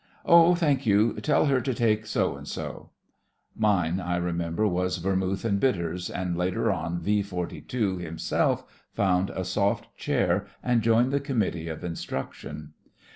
"Oh, thank you. Tell her to take so and so." ... Mine, I remember, was vermouth and bitters, and later on V. 42 himself found a soft chair and joined the committee of instruction.